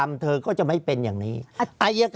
ภารกิจสรรค์ภารกิจสรรค์